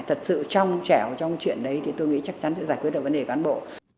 thật sự trong chẻo trong chuyện đấy thì tôi nghĩ chắc chắn sẽ giải quyết được vấn đề cán bộ